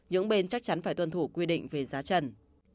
những bên chắc chắn phải tuân thủ quy định về giá trần